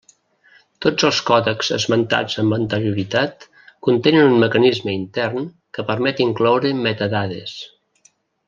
Tots els còdecs esmentats amb anterioritat, contenen un mecanisme intern que permet incloure metadades.